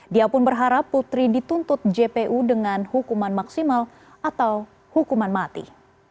dia pun berharap putri dituntut jpu dengan hukuman maksimal atau hukuman mati